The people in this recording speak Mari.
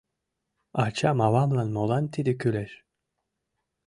Ачам-авамлан молан тиде кӱлеш?